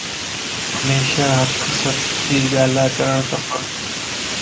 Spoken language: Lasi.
ھميشا ھق سچ جي ڳالھه ڪرڻ کپ